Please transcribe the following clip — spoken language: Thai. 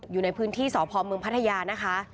อยู่ในพื้นที่สพเมืองพัทยานะคะ